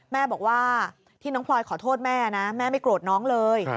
แม่บอกว่าที่น้องพลอยขอโทษแม่นะแม่ไม่โกรธน้องเลย